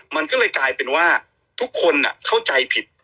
มันก็เลยกลายเป็นว่าทุกคนเข้าใจผิด